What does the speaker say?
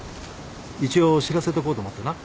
一応知らせとこうと思ってな。